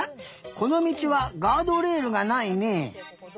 このみちはガードレールがないね。